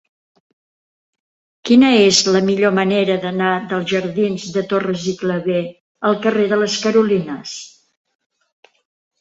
Quina és la millor manera d'anar dels jardins de Torres i Clavé al carrer de les Carolines?